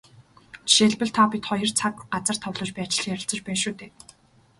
Жишээлбэл, та бид хоёр цаг, газар товлож байж л ярилцаж байна шүү дээ.